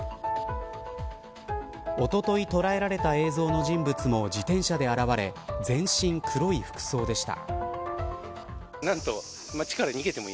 おととい捉えられた映像の人物も自転車で現れ全身黒い服装でした。